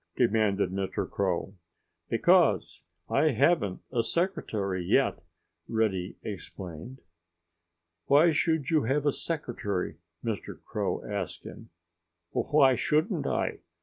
demanded Mr. Crow. "Because I haven't a secretary yet," Reddy explained. "Why should you have a secretary?" Mr. Crow asked him. "Why shouldn't I?"